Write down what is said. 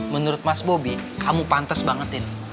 menurut mas bobi kamu pantes banget tin